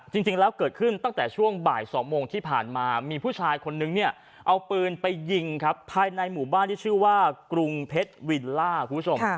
จริงแล้วเกิดขึ้นตั้งแต่ช่วงบ่าย๒โมงที่ผ่านมามีผู้ชายคนนึงเนี่ยเอาปืนไปยิงครับภายในหมู่บ้านที่ชื่อว่ากรุงเพชรวิลล่าคุณผู้ชม